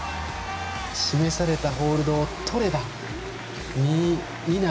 示されたホールドをとれば２位以内。